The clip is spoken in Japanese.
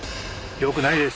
よくないです。